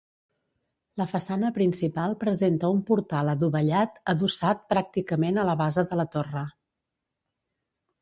La façana principal presenta un portal adovellat adossat pràcticament a la base de la torre.